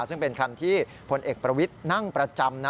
ซึ่งเป็นคันที่พลเอกประวิทย์นั่งประจำนะ